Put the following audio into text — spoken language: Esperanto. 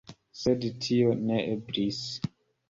Sed tio ne eblis.